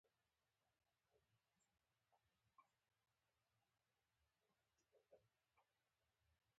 ښاغلو مهمه نه ده چې څومره وخت به ونيسي.